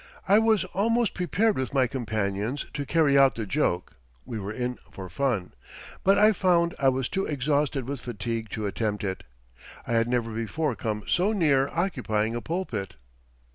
I was almost prepared with my companions to carry out the joke (we were in for fun), but I found I was too exhausted with fatigue to attempt it. I had never before come so near occupying a pulpit.